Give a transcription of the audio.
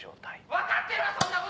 分かってるわそんなこと！